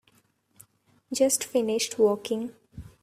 Just finished working.